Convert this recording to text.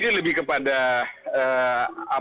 jadi ini lebih kepada apa ya